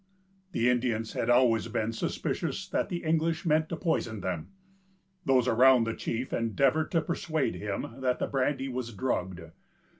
The Indians had always been suspicious that the English meant to poison them. Those around the chief, endeavored to persuade him that the brandy was drugged.